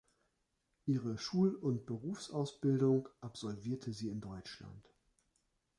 Ihre Schul- und Berufsausbildung absolvierte sie in Deutschland.